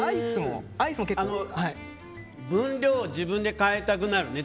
分量、自分で変えたくなるね。